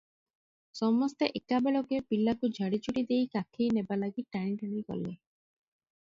ସମସ୍ତେ ଏକାବେଳକେ ପିଲାକୁ ଝାଡ଼ିଝୁଡ଼ି ଦେଇ କାଖେଇ ନେବା ଲାଗି ଟଣାଟଣି କଲେ ।